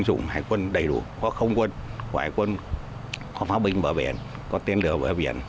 chủng hải quân đầy đủ có không quân hải quân có pháo binh bờ biển có tên lửa bờ biển